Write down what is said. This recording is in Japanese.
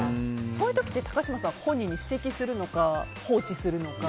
そういう時、高嶋さん本人に指摘するのか放置するのか。